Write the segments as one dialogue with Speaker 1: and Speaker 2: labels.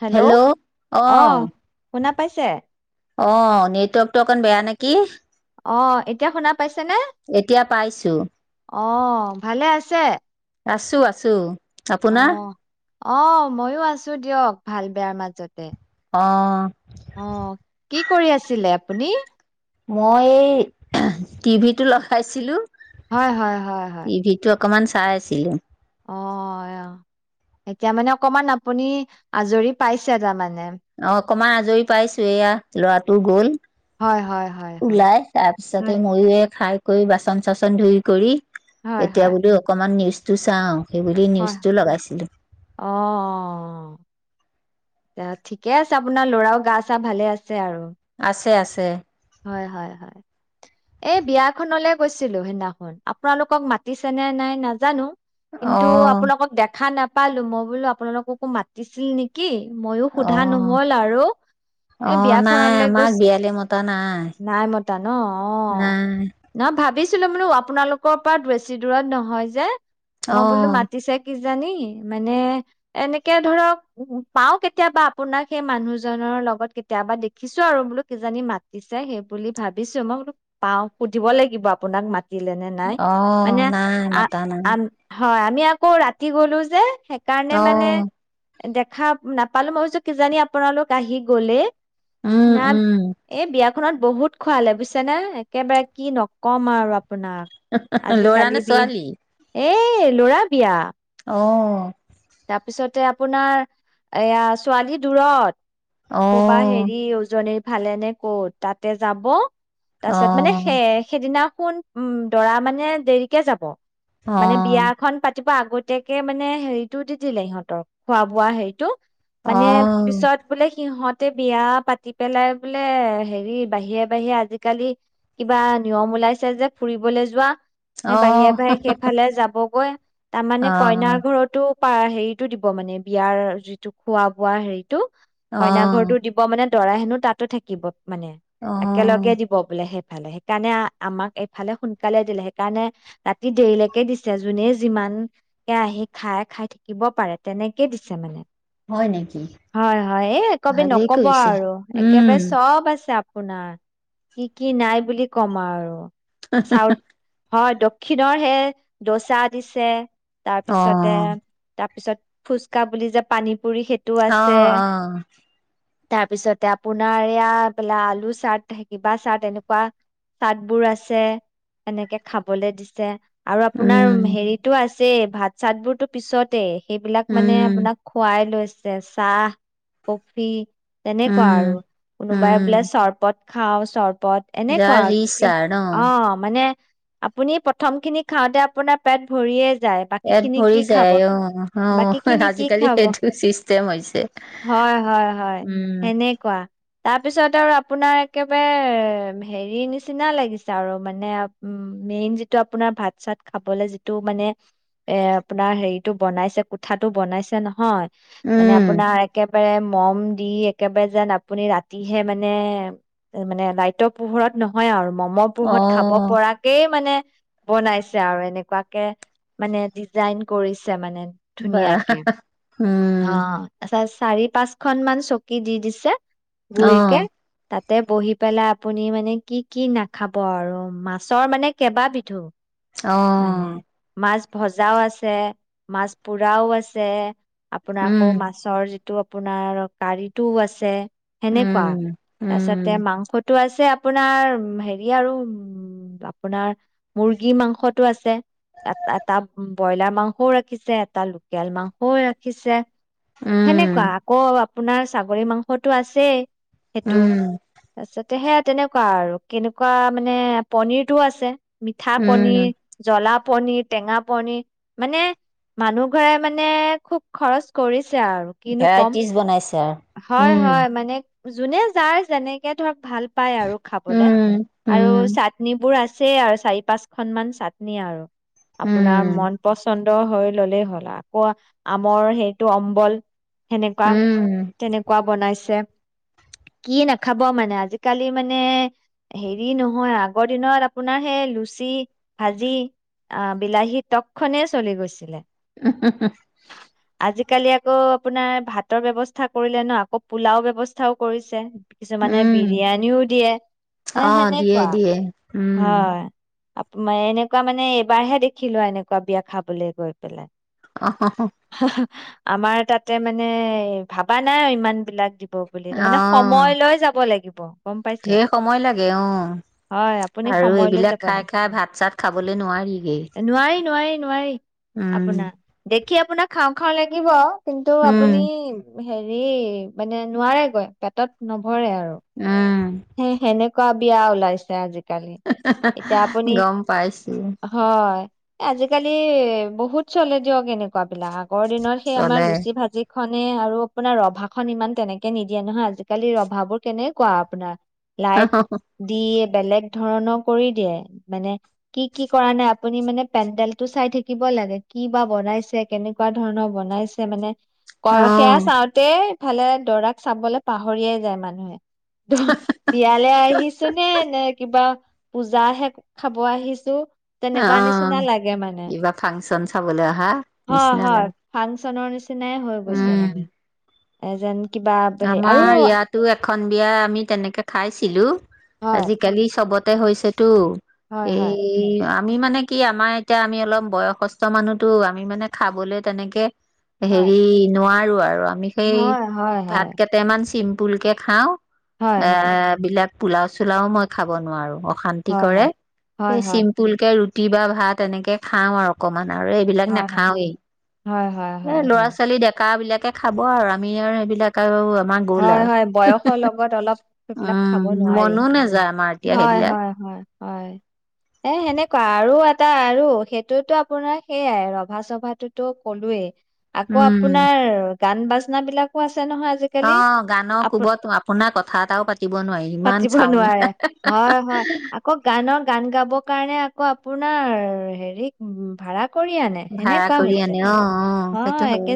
Speaker 1: Hello, অ' শুনা পাইছে?
Speaker 2: অ', নেটৱৰ্কতটো অকন বেয়া নেকি?
Speaker 1: অ', এতিয়া শুনা পাইছে নে?
Speaker 2: এতিয়া পাইছোঁ।
Speaker 1: অ', ভালে আছে?
Speaker 2: আছোঁ আছোঁ।
Speaker 1: অ
Speaker 2: আপোনৰ?
Speaker 1: অ', ময়ো আছোঁ দিয়ক, ভাল বেয়াৰ মাজতে।
Speaker 2: অ'।
Speaker 1: অ', কি কৰি আছিলে আপুনি?
Speaker 2: মই এই টিভিটো লগাইছিলোঁ
Speaker 1: হয় হয় হয় হয়।
Speaker 2: অকমান চাই আছিলোঁ।
Speaker 1: অ', অ', এতিয়া মানে অকমান আপুনি আজৰি পাইছে তাৰমানে?
Speaker 2: অ অকমান আজৰি পাইছোঁ, এয়া ল'ৰাটো গ'ল।
Speaker 1: হয় হয় হয় হয়
Speaker 2: ওলাই, তাৰপিছতে
Speaker 1: হয়
Speaker 2: মইয়ো এই খাই কৰি বাচন চাচন ধুই কৰি
Speaker 1: হয়
Speaker 2: এতিয়া
Speaker 1: হয়
Speaker 2: বোলো অকমান নিউজ টো চাওঁ। সেইবুলি
Speaker 1: হয়
Speaker 2: নিউজটো লগাইছিলোঁ।
Speaker 1: অ অ' ঠিকে আছে আপোনাৰ ল'ৰাও গা চা ভালে আছ [unintelligible] আৰু
Speaker 2: আছে আছে
Speaker 1: হয় হয় হয়। এই বিয়াখনলে গৈছিলোঁ সেইদিনাখন, আপোনালোকক মাতিছে নে নাই নাজানো। কিন্তু আপোনালোকক দেখা নাপ পালো, মই বোলো আপোনালোককো মাতিছিল নেকি? ময়ো
Speaker 2: অ অ
Speaker 1: সোধা নহ'ল আৰু,
Speaker 2: অ
Speaker 1: এই
Speaker 2: নাই
Speaker 1: বিয়াখনলৈ
Speaker 2: আমাক
Speaker 1: গৈছ,
Speaker 2: বিয়ালে মতা নাই
Speaker 1: নাই মতা ন'?
Speaker 2: নাই।
Speaker 1: ছিলো মানো আপোনালোকৰ পৰা বেছি দূৰত নহয় যে। মই
Speaker 2: অ
Speaker 1: বোলো মাতিচে কি কিজানি মানে এনেকে ধৰক উ, পাওঁ কেতিয়াবা আপোনাক সেই মানুহজনৰ লগত, কেতিয়াবা দেখিছোঁ আৰু বোলো কিজানি মাতিছে সেই বুলি ভাবিছোঁ মই সুধ পাওঁ সুধিব লাগিব আপোনাক মাত দিলে নে নাই, মানে
Speaker 2: অ' নাই মতা নাই
Speaker 1: আ-আন হৈ আমি আকৌ ৰাতি গ'লো যে। সেইকাৰণে মানে
Speaker 2: অ'
Speaker 1: দেখা নাপালো মই ভাবিছোঁ কিজানি আপোনালোক আহি গ'লেই।
Speaker 2: উম,
Speaker 1: না,
Speaker 2: উম।
Speaker 1: এই বিয়াখনত বহুত খোৱালে বুজিছ তেনে একেবাৰে কি নকম আৰু আপ
Speaker 2: ল'ৰা নে ছোৱালী?
Speaker 1: এই ল'ৰা বিয়া।
Speaker 2: অ'।
Speaker 1: তাৰপিছতে আপোনাৰ এইয়া ছোৱালী দূৰত। কৰপা
Speaker 2: অ',
Speaker 1: হেৰি উজনী ভালে নে ক'ত তাতে যাব। তাৰপিছত মানে
Speaker 2: অ',
Speaker 1: সে-সেইদিনা সোণ উম, দৰা মানে দেৰিকে যাব।
Speaker 2: অ',
Speaker 1: মানে
Speaker 2: অ'।
Speaker 1: বিয়াখন পাত কেতিয়াবা আগতীয়াকে মানে হেৰি। [unintelligible] দি দিলে সিহঁতক খোৱা বোৱা হেৰিটো। মানে পিছত বোলে সিহঁত তে বিয়া পাতি পেলাই বোলে হেৰি বাহিৰে বাহিৰে আজিকালি, কিবা নিয়ম ওলাইছে যে ফুৰিবলৈ যোৱা। বাহিৰে
Speaker 2: অ',
Speaker 1: বাহিৰে সেইফালে যাবগৈ, তাৰমানে কইনাৰ
Speaker 2: অ',
Speaker 1: ঘৰটো পা হেৰিটো দিব মানে, বিয়াৰ যিটো খোৱা বোৱা হেৰি তু কইনাৰ ঘৰটো
Speaker 2: অ',
Speaker 1: দিব মানে। দৰা হেনো তাতো থাকিব। মানে
Speaker 2: অ',
Speaker 1: একেলগে দিব বোলে সেই ভালেহে সেইকাৰণে আমাক এইফালে সোনকালে দিলে সেইকাৰণে ৰাতি দেৰিলৈকে দিছে জুনে যিমান এয়া আহি খাই খাই থাকিব পাৰে তেনেকৈ দিছে মানে।
Speaker 2: হয় নেকি?
Speaker 1: হয় হয় এ, একবি
Speaker 2: ভালেই
Speaker 1: নক'ব
Speaker 2: কৰিছে
Speaker 1: আৰু
Speaker 2: উম,
Speaker 1: একেবাৰে চব আছে আপ আপোনাৰ কি কি নাই বুলি কম আৰু। চাউথ হয় দক্ষিণৰ হে ধচা দিছে। তাৰপিছতে
Speaker 2: অ',
Speaker 1: তাৰপিছত ফুচকা বুলি যে পানীত
Speaker 2: অ', অ'।
Speaker 1: তাৰপিছতে আপোনাৰ এইয়া বোলা আলু চাট, কিবা চাট এনেকুৱা চাটবোৰ আছে, এনেকে খাবলৈ দিছে। আৰু আপোনাৰ
Speaker 2: উম,
Speaker 1: হেৰিটো আছ ছে ভাত চাতবোৰতো পিছত। তে সেইবিলাক মানে
Speaker 2: উম,
Speaker 1: আপোনাক খোৱাই লৈছে। চাহ কফি। তেনেকুৱা
Speaker 2: উম।
Speaker 1: আৰু কোনোবাই বোলে
Speaker 2: উম,
Speaker 1: চৰৱত খাওঁ চ বদ
Speaker 2: যাৰ
Speaker 1: এনেকুৱা আৰু
Speaker 2: ইচ্ছা
Speaker 1: যি
Speaker 2: ন?
Speaker 1: অ' মানে আপুনি প্ৰথমখিনি খাওঁতে আপোনাৰ পেট ভৰিয়ে যায়
Speaker 2: পেট
Speaker 1: বাকীখিনি
Speaker 2: ভৰি
Speaker 1: কি
Speaker 2: যায়
Speaker 1: খাব।
Speaker 2: অ'
Speaker 1: বাকী খিনি
Speaker 2: হ'
Speaker 1: কি
Speaker 2: আজিকালি
Speaker 1: খাব
Speaker 2: সেইটো চিষ্টেম হৈছে,
Speaker 1: হয়,
Speaker 2: উম।
Speaker 1: তাৰ পিছত আৰু আপোনাৰ একেবাৰে হেৰি নিচিনা লাগিছে আৰু মানে উম, মেইন যিটো আপোনাৰ ভাত চাত খাবলে যিটো মানে এ, আপোনাৰ হেৰি বনাইছে কোঠাটো বনাইছে নহয়। মানে
Speaker 2: উম
Speaker 1: আপোনাৰ একে একেবাৰে ম'ম দি একেবাৰে যেন আপুনি ৰাতিহে মানে, মানে লাইটৰ পোহৰত নহয় আৰু ম'মৰ পোহৰত খাব
Speaker 2: অহ
Speaker 1: পৰাকেই মানে। বনাইছে আৰু এনেকুৱাকে মানে ডিজাইন কৰিছ মানে। ধুনীয়াকে।
Speaker 2: [unintelligible]
Speaker 1: হা, [inaudible] চাৰি পাঁচখন মান চকী দি দিছে।
Speaker 2: অহ
Speaker 1: গুলকে, তাত তাতে বহি পেলাই আপুনি মানে কি কি নাখাব আৰু মাছৰমানে কেইবাবিধো। মানে মাছ
Speaker 2: অহ।
Speaker 1: ভজাও আছে, মাছ পুৰাও আছে। আপোনাৰ
Speaker 2: উম
Speaker 1: আকৌ মাছৰ যি টো আপোনাৰ অলপ কাৰিটোও আছে। সেনেকোৱা,
Speaker 2: উম
Speaker 1: তাৰপিছতে
Speaker 2: উম
Speaker 1: মাংসত [unintelligible] আছে আপোনাৰ হেৰি আৰু আপোনাৰ মুৰ্গী মাংসটো আছে। এট-এটা উম ব্ৰইলাৰ মাংসও ৰাখিছে এটা লোকেল মাংসও [inaudible] ৰাখিছে। সেনেকোৱা
Speaker 2: উম
Speaker 1: আকৌ আপোনাৰ ছাগলী মাংসটো আছেই। সেইটো,
Speaker 2: উম
Speaker 1: তাৰ পিছতে সেয়া তেনেকুৱা আৰু। কেনেকুৱা মানে পনিৰটো আছে। মিঠা
Speaker 2: উম
Speaker 1: পনিৰ জ্বলা পনিৰ টেঙা পনিৰ, মানে মানুহ ঘৰে মানে খুব খৰচ কৰি
Speaker 2: ভেৰাইটিজ বনাইছে।
Speaker 1: হয়
Speaker 2: উম
Speaker 1: হয় মানে যোনে যাৰ যেনেকে ধৰক ভাল পায় আৰু খাবলে আৰু
Speaker 2: উম
Speaker 1: চাটনি বোৰ আছে [unintelligible] আৰু চাৰি পাঁচ খন মান চাটনি আৰু। আপোনাৰ
Speaker 2: উম
Speaker 1: মন পচন্দ হৈ ল'লেই হ'ল আৰু আকৌ আমৰ সেইটো অম্বল সেনেকুৱা।
Speaker 2: উম উম
Speaker 1: তেনেকুৱা বনাইছে। কি নাখাব মানে আজিকালি মানে, হেৰি নহয় আগৰ দিনত আপোনাৰ সেই লুচি ভাজি আ, বিলাহী টক খনেই চলি গৈছিলে।
Speaker 2: উম
Speaker 1: আজিকালি আকৌ আপোনাৰ ভাতৰ ব্যৱ স্থা কৰিলে ন' আকৌ পোলাও ব্যৱস্থাও কৰিছে। কিছুমানে বিৰিয়ানিও দিয়ে। এ,
Speaker 2: অ দিয়ে
Speaker 1: সেনেকুৱা,
Speaker 2: দিয়ে উম
Speaker 1: হয়। মে এনেকুৱা মানে এবাৰহে দেখিলো এনেকুৱা বিয়া খাবলে গৈ পেলাই।
Speaker 2: অ
Speaker 1: হা হা। আমাৰ তাতে মানে ভাবা নাই ইমানবিলাক বুলি তাৰ
Speaker 2: অ
Speaker 1: মানে সময় লৈ যাব লাগিব। [inaudible]
Speaker 2: ঢেৰ সময় লাগে অ',
Speaker 1: হয়, আপুনি
Speaker 2: আৰু
Speaker 1: সময় লৈ যাব
Speaker 2: এইবিলাক
Speaker 1: লাগে।
Speaker 2: খাই খাই ভাত চাত খাবলে নোৱাৰিগেই,
Speaker 1: নোৱাৰি, নোৱাৰি,
Speaker 2: উম।
Speaker 1: কি আপোনাক খাওঁ খাওঁ লাগিব। কিন্তু
Speaker 2: উম
Speaker 1: আপুনি হেৰি, মানে নোৱাৰেগৈ পেটত [inaudible]
Speaker 2: উম।
Speaker 1: সেই সেনেকুৱা বিয়া ওলাইছে আজি কালি এতিয়া আপুনি,
Speaker 2: গম পাইছো
Speaker 1: হয়। এ, আজিকালি বহুত চলে দিয়ক এনেকুৱা। বিলাক আগৰ দিনত সেই আমাৰ
Speaker 2: চলে
Speaker 1: লুচি ভাজি খনে আৰু আৰু আপোনাৰ ৰভা খন ইমান তেনেকে নিদিয়ে নহয় আজিকালি ৰভাবোৰ কেনেকুৱা আপোনাৰ।
Speaker 2: অ
Speaker 1: লাইট দিয়ে, বেলেগ ধৰণৰ কৰি দিয়ে, মানে কি কি কৰা নাই আপুনি মানে পেণ্ডেল টো চাই থাকিব লাগে, কি বা বনাইছে, কেনেকুৱা ধৰণৰ বনাইছে মানে।
Speaker 2: অ।
Speaker 1: এ ইফালে দৰাক চাবলৈ পাহৰিয়াই যায় মানুহে। বিয়ালৈ আহিছো নে নে কিবা পূজাহে খাব আহিছোঁ।
Speaker 2: অ, ইবাৰ ফাংচন চাবলৈ অহা নিচিনালৈ।
Speaker 1: চনৰ নিচি তেনেই হৈ গৈছে মানে। এজন।
Speaker 2: আমাৰ ইয়াতো এখন বিয়া আমি তেনেকে খাইছিলোঁ,
Speaker 1: হয়
Speaker 2: আজিকালি চবত তে হৈছে। টো,
Speaker 1: হয়
Speaker 2: এই,
Speaker 1: হয়
Speaker 2: আ আমি মানে কি আমাৰ এতিয়া আমি অলপ বয়সস্থ মানুহতো আমি মানে খাবলে তেনেকে
Speaker 1: হয়
Speaker 2: হেৰি নোৱাৰ [unintelligible]
Speaker 1: হয় হয়।
Speaker 2: ভাত
Speaker 1: হয়
Speaker 2: কেটেমান চিম ফুলকে খাওঁ।
Speaker 1: হয়
Speaker 2: অ,
Speaker 1: হয়
Speaker 2: বিলাক। পোলাও চোলাও মই খাব নোৱাৰো অ শান্তি
Speaker 1: হয় হয়
Speaker 2: কৰে,
Speaker 1: হয়
Speaker 2: সেই
Speaker 1: হয়
Speaker 2: চিম্পুলকে ৰু কিবা ভাত এনেকে খাওঁ আৰু অকণমান। আৰু এইবিলাক
Speaker 1: হয়
Speaker 2: নেখাওৱেই,
Speaker 1: হয় হয়
Speaker 2: এ
Speaker 1: হয় হয়
Speaker 2: ল'ৰা ছোৱালী ডেকা বিলাক এ খাব আৰু আমি আৰু সেইবিলাক কাৰু আ
Speaker 1: হয়, হয় বয়সৰ লগত অলপ সেইবিলাক
Speaker 2: উম
Speaker 1: খাব নোৱাৰি,
Speaker 2: মনো নাযায় আমাৰ এতিয়া
Speaker 1: হয়,
Speaker 2: সেইবিলাক
Speaker 1: হয়, হয়, হয়, এ সেনেকুৱা আৰু আৰু সেইটোতো আপোনাৰ সেইয়াই ৰভা চভাতোতো ক'লোৱেই। আকৌ
Speaker 2: উম
Speaker 1: আপোনাৰ গান বাজনা বিলাকো আছে নহয়
Speaker 2: অ
Speaker 1: আজিকালি।
Speaker 2: গানৰ
Speaker 1: আপো
Speaker 2: কোবত আপোনাৰ কথা এটাও পাতিব নোৱাৰি, ইমান
Speaker 1: পাতিব
Speaker 2: চাওন।
Speaker 1: ন' গান গাব কাৰণে আকৌ আপোনাৰ হেৰি ভাড়া কৰি আনে
Speaker 2: ভাড়া
Speaker 1: সেনেকুৱা
Speaker 2: কৰি
Speaker 1: হৈছে।
Speaker 2: আনে অ সেইটো
Speaker 1: অ',
Speaker 2: হয়
Speaker 1: একে,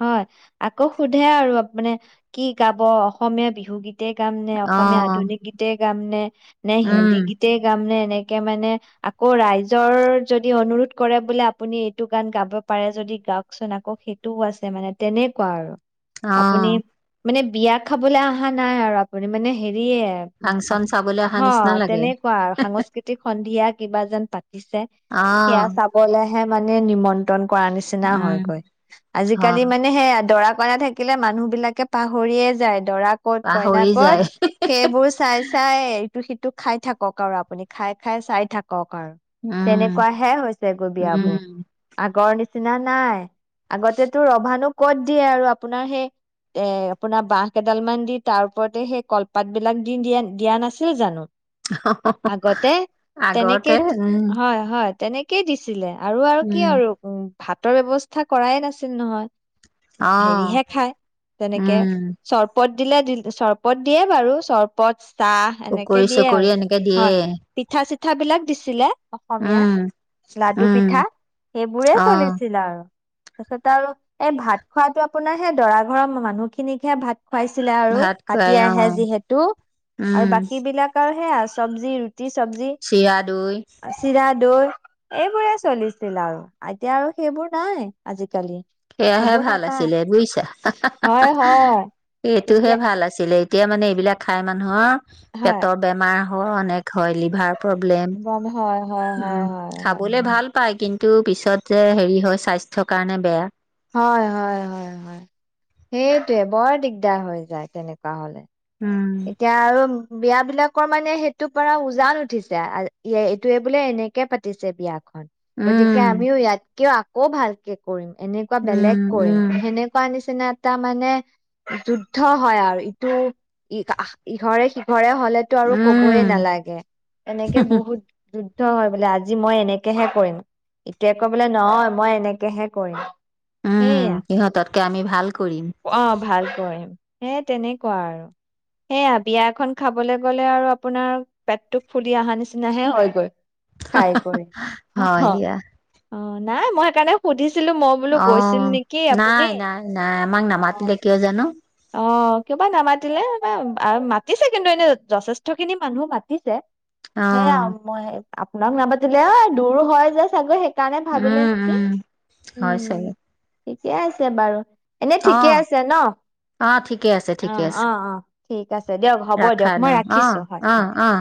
Speaker 1: হয় আকৌ সোধে আৰু আপ মানে কি গাব অসমীয়া বিহুগীত গীতে গাম নে
Speaker 2: অ
Speaker 1: অসমীয়া আধুনিক গীতে গামনে নে
Speaker 2: উম
Speaker 1: হিন্দী গীতে গাম নে এনেকে মানে আকৌ ৰাইজৰ যদি অনুৰোধ কৰে বোলে আপুনি এইটো গান গাব পাৰে যদি গাওকচোন আকৌ সেইটোও আছে মানে তেনেকুৱা আৰু আপুনি
Speaker 2: আহ
Speaker 1: মানে বিয়া খাবলৈ অহা নাই আৰু আপুনি মানে হেৰি দিয়ে উপা
Speaker 2: ফাংচন চাবলৈ অহা
Speaker 1: অহ
Speaker 2: নিচিনা লাগে
Speaker 1: তেনেকুৱা আ সাংস্কৃতিক সন্ধিয়া কিবা যেন পাত পিছে
Speaker 2: অ
Speaker 1: সেয়া চাবলে হে মানে নিমন্ত্ৰণ, কোৱা নিচিনা
Speaker 2: উম
Speaker 1: হয়গৈ আজি কালি
Speaker 2: হয়
Speaker 1: মানে সেয়ে দৰা পায় থাকিলে মানুহ বিলাকে পাহৰিয়ে যায়। দৰা কত কইনা
Speaker 2: পাহৰি
Speaker 1: কত
Speaker 2: যায়
Speaker 1: সেইবোৰ চাই চাইয়ে, ইটো সেইটো খাই থাকক আৰু আপুনি খাই খাই চাই থাকক
Speaker 2: উম
Speaker 1: তেনেকুৱা হে হৈছে গৈ বিয়া
Speaker 2: উম
Speaker 1: বোৰ আগৰ নিচিনা, নিচিনা নাই আগতেতো ৰভানো ক'ত দিয়ে আৰু আপোনাৰ সেই এ, আপোনাৰ বাঁহ কেইডাল মান দি তাৰ ওপৰতে সেই কলপাতবিলাক দি-দিয়া দিয়া নাছিল জানো। আগতে
Speaker 2: আগতে
Speaker 1: তেনেকেই তিত
Speaker 2: উম
Speaker 1: হয় হয়। তেনেকেই দিছি লে আৰু আৰু
Speaker 2: উম
Speaker 1: কি আৰু উম। ভাতৰ ব্যৱস্থা কৰায় নাছিল নহয়।
Speaker 2: অ
Speaker 1: হেৰিহে খায়। তেনেকে,
Speaker 2: উম
Speaker 1: চৰ পত দিলে দি-চৰপত দিয়ে বাৰু চৰপত চাহ এনেকে
Speaker 2: পকৰী
Speaker 1: দিয়ে আৰু
Speaker 2: চকৰি এনেকে দিয়ে
Speaker 1: হয়, পিঠা চি পিঠাবিলাক দিছিলে। অসমীয়া,
Speaker 2: উম
Speaker 1: লাডু
Speaker 2: উম
Speaker 1: পিঠা সেইবোৰে
Speaker 2: অ
Speaker 1: চলিছিল আৰু। পিছতে আৰু এই ভাত খোৱাটো আপোনাৰ হে দৰা ঘৰৰ মানুহখিনিকহে ভাত খুৱাইছিলে আৰু
Speaker 2: ভাত খুৱাই
Speaker 1: হাতী
Speaker 2: অ
Speaker 1: আহে যিহেতু আৰু
Speaker 2: উম
Speaker 1: বাকীবিলাকৰ সেই আৰ চব্জিৰ ৰুটি চব্জি,
Speaker 2: চিৰা দৈ
Speaker 1: চিৰা, দৈ এইবোৰে চলিছিল আৰু এতিয়া আৰু সেইবোৰ নাই আজিকালি।
Speaker 2: সাইয়াহে ভাল আছিলে বুজিছা।
Speaker 1: হয়-হয়
Speaker 2: সেইটোহে
Speaker 1: তেতিয়া
Speaker 2: ভাল আছিলে এতিয়া মানে এইবিলাক খাই মানুহৰ
Speaker 1: হয়
Speaker 2: পেটৰ বেমাৰ। অনেক হয় লিভাৰ প্ৰব্লেম।
Speaker 1: গম হয় হয় হয়
Speaker 2: উম
Speaker 1: হয় হয়
Speaker 2: খাবলৈ ভাল। ভাল পাই কিন্তু পিছত যে হেৰি হয় স্বাস্থ্য কাৰণে বেয়া।
Speaker 1: হয়-হয়-হয়-হয় হাইটোৱাই বৰ দিগদাৰ হৈ যায় তেনেকুৱা হলে।
Speaker 2: উম
Speaker 1: এতিয়া আৰু বিয় বিলাকৰ মানে হাঁহটো পাৰ উজান উঠিছে এইটোয়ে বোলে এনেকে হে পাতিছে এতিয়া। গতিকে
Speaker 2: উম
Speaker 1: আমিও যাতকেও ও ভালকে কৰিম। যেনেকুৱা বেলেগ
Speaker 2: উম
Speaker 1: কৰিম
Speaker 2: উম
Speaker 1: যেনেকুৱা নিচিনা তেনে এটা মানে যুদ্ধ হয় আৰু ইটো ই অ' ইঘৰে সিঘৰে হলেটো আৰু
Speaker 2: উম
Speaker 1: কবই নালাগে এনেকে বহুত যুদ্ধ হয় বোলে আজি মই এনেকেহে কৰিম ইটোৱাই কয় বোলে নহয় মই এনেকেহে কৰিম।
Speaker 2: উম
Speaker 1: সেইয়া
Speaker 2: শীহঁততকে আমি ভাল কৰিম।
Speaker 1: হে তেনেকুৱা আৰু। হইয়া বিয়া এখন খাবলৈ গলে আৰু আপোনাৰ পেটটো ফুলি অহা নিচিনাহে হে হৈ গৈ।
Speaker 2: হয় দিয়া।
Speaker 1: অ' নাই মই হাইকৰ্ণে সুধিছোঁ।
Speaker 2: অ' নাই-নাই-নাই আমাক নামাতিলে কিও জানো।
Speaker 1: কিওবা নমা। মাতিলে মাতিছে কিন্তু এনে যথেষ্ট খিনি মানুহ মাতিছে। হইয়া
Speaker 2: অ',
Speaker 1: মই হে আপোনাক নাপাতিলে এই দুৰাও হয় যে হৈ কানে ভাবিলে
Speaker 2: উম,
Speaker 1: নেকি
Speaker 2: উম, হয়
Speaker 1: উম।
Speaker 2: চাগে
Speaker 1: ঠিকে আছে বাৰু। এনে ঠিকে
Speaker 2: অ'
Speaker 1: আছে ন
Speaker 2: অ' ঠিকে আছে
Speaker 1: অ
Speaker 2: ঠিকে আছে।
Speaker 1: অ অ ঠিক। আছে দিয়ক হ'ব দিয়ক
Speaker 2: ৰাখা না
Speaker 1: মই ৰাখিছো
Speaker 2: অ'
Speaker 1: হয় হয়
Speaker 2: অ' অ'।